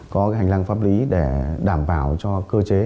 có hành lang pháp lý để đảm bảo cho cơ chế